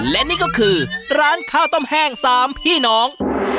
และนี่ก็คือร้านข้าวต้มแห้ง๓พี่น้อง